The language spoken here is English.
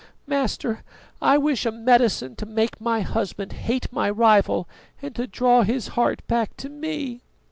"Master, I wish a medicine to make my husband hate my rival and to draw his heart back to me."